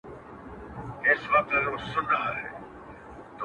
ساقي خراب تراب مي کړه نڅېږم به زه،